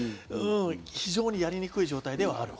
非常にやりにくい状態ではありま